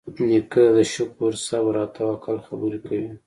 نیکه د شکر، صبر، او توکل خبرې کوي.